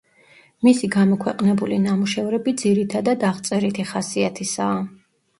მისი გამოქვეყნებული ნამუშევრები ძირითადად აღწერითი ხასიათისაა.